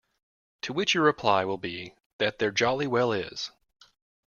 To which your reply will be that there jolly well is.